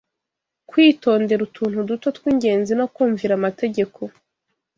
kwitondera utuntu duto tw’ingenzi no kumvira amategeko,